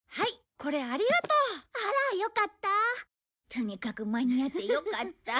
とにかく間に合ってよかった。